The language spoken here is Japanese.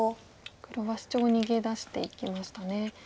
黒はシチョウを逃げ出していきましたね。